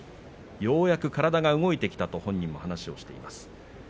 ようやく体が動いてきたと本人は話をしていました。